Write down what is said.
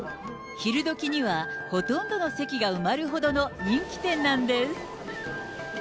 昼どきにはほとんどの席が埋まるほどの人気店なんです。